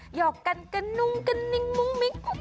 หอกกันกระนุ่งกระนิ่งมุ้งมิ้ง